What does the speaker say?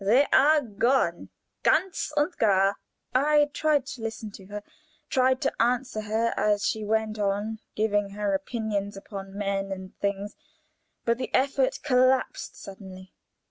They are gone ganz und gar." I tried to listen to her, tried to answer her as she went on giving her opinions upon men and things, but the effort collapsed suddenly.